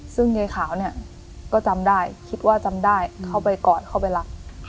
ซึ่งยายขาวเนี่ยก็จำได้คิดว่าจำได้เข้าไปก่อนเข้าไปรับ